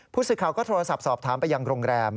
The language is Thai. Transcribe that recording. ผู้สื่อข่าวก็โทรศัพท์สอบถามไปยังโรงแรม